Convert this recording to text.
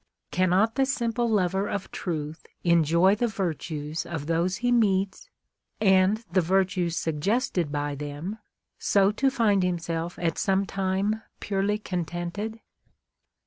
Cannot the simple lover of truth enjoy the virtues of those he meets, and the virtues suggested by them, so to find himself at some time purely contented